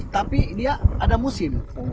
tapi dia ada musim